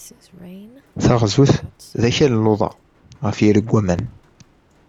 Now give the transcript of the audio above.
Taɣzut d akal n luḍa ɣef yiri n waman.